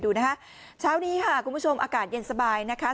ดูนะคะเช้านี้ค่ะคุณผู้ชมอากาศเย็นสบายนะคะ